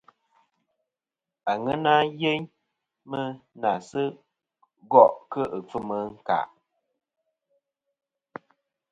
Aŋena yeyn mɨ na sɨ gòˈ kɨ ɨkfɨm ɨ ɨ̀nkàˈ.